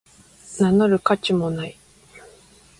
名乗る価値もない